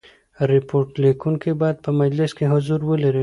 ریپورټ لیکوونکی باید په مجلس کي حضور ولري.